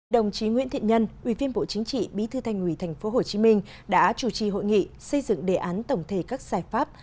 đồng chí nguyễn thiện nhân ủy viên bộ chính trị bí thư thành ủy tp hcm đã chủ trì hội nghị xây dựng đề án tổng thể các giải pháp